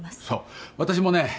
そう私もね。